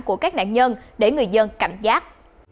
của các nạn nhân để người dân cảnh giác